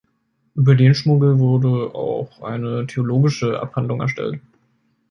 Über den Schmuggel wurde auch eine theologische Abhandlung erstellt.